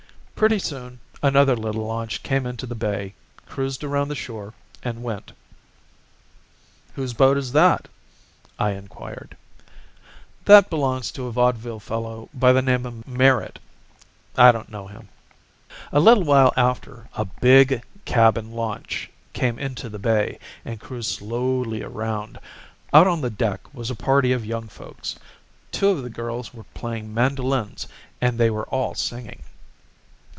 "Pretty soon another little launch came into the bay, cruised around the shore, and went. "'Whose boat is that?' I inquired. "'That belongs to a Vaudeville fellow by the name of Merritt. I don't know him.' "A little while after a big cabin launch came into the bay and cruised slowly around. Out on the deck was a party of young folks: two of the girls were playing mandolins and they were all singing.